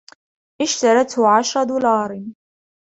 إشترىته عشر دولار